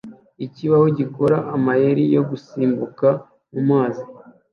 Ikibaho gikora amayeri yo gusimbuka mumazi